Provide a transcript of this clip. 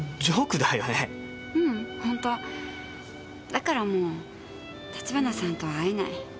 だからもう立花さんとは会えない。